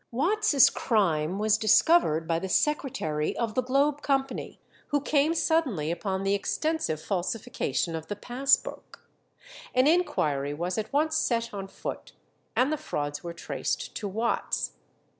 Watts's crime was discovered by the secretary of the Globe Company, who came suddenly upon the extensive falsification of the pass book. An inquiry was at once set on foot, and the frauds were traced to Watts.